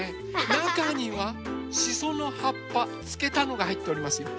なかにはしそのはっぱつけたのがはいっておりますよ。